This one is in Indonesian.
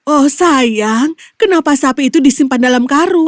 oh sayang kenapa sapi itu disimpan dalam karung